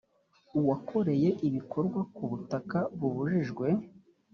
uwakoreye ibikorwa ku butaka bubujijwe